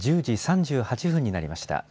１０時３８分になりました。